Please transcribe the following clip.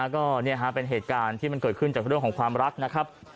ก็เป็นเหตุการณ์ที่มันเกิดขึ้นจากเรื่องของความรักนะครับ